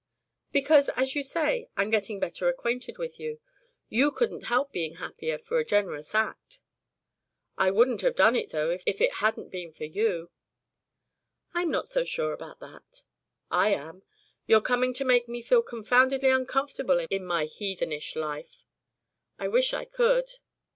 "Because, as you say, I'm getting better acquainted with you. YOU couldn't help being happier for a generous act." "I wouldn't have done it, though, if it hadn't been for you." "I'm not so sure about that." "I am. You're coming to make me feel confoundedly uncomfortable in my heathenish life." "I wish I could."